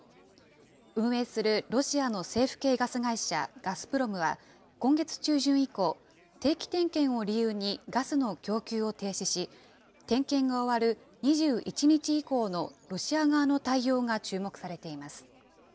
運営するロシアの政府系ガス会社、ガスプロムは今月中旬以降、定期点検を理由にガスの供給を停止し、点検が終わる２１日以降のロシア側の対応が注目されています。